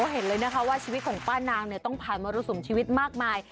เห็นเลยนะคะว่าชีวิตของป้านางต้องผ่านมรสุมชีวิตมากมาย